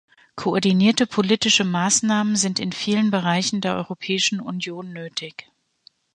Koordinierte politische Maßnahmen sind in vielen Bereichen der Europäischen Union nötig.